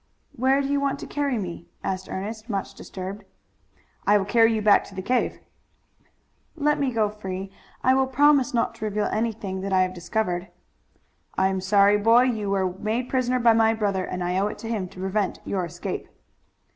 "Where do you want to carry me?" asked Ernest, much disturbed. "I will carry you back to the cave." "Let me go free. I will promise not to reveal anything that I have discovered." "I am sorry, boy, but you were made prisoner by my brother, and I owe it to him to prevent your escape."